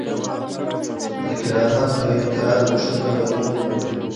د کرامت او احترام غوښتنه بدلون نه مومي.